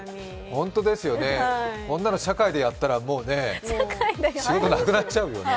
ほんとですよね、こんなの社会でやったらね、もう、仕事なくなっちゃうよね。